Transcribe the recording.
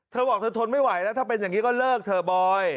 เธอบอกเธอทนไม่ไหวแล้วถ้าเป็นอย่างนี้ก็เลิกเถอะบอย